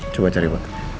coba cari pak